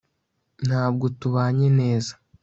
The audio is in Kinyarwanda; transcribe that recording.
Ntabwo tubanye neza